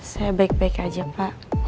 saya baik baik aja pak